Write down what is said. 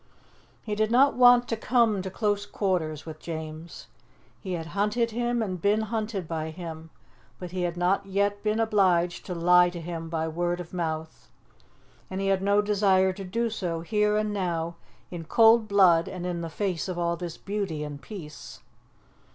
He did not want to come to close quarters with James. He had hunted him and been hunted by him, but he had not yet been obliged to lie to him by word of mouth; and he had no desire to do so, here and now, in cold blood and in the face of all this beauty and peace.